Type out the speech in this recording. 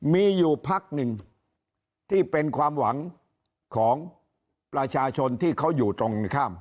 มีอยู่พักหนึ่งที่เป็นความหวังของประชาชนที่เขาอยู่ตรงข้าม